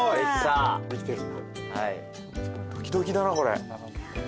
ドキドキだなこれ。